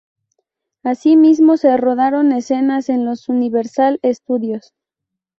Así mismo se rodaron escenas en los Universal Studios.